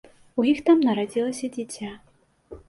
У іх там нарадзілася дзіця.